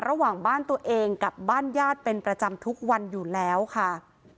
ระหว่างบ้านตัวเองกับบ้านญาติเป็นประจำทุกวันอยู่แล้วค่ะ